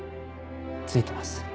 付いてます。